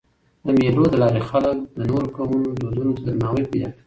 د مېلو له لاري خلک د نورو قومونو دودونو ته درناوی پیدا کوي.